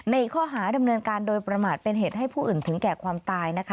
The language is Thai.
ในข้อหาดำเนินการโดยประมาทเป็นเหตุให้ผู้อื่นถึงแก่ความตายนะคะ